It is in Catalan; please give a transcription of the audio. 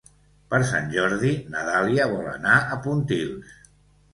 Per Sant Jordi na Dàlia vol anar a Pontils.